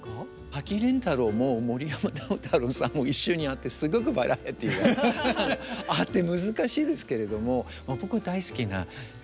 滝廉太郎も森山直太朗さんも一緒にあってすごくバラエティーがあって難しいですけれども。